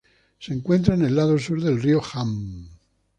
Se encuentra en el lado sur del Río Han.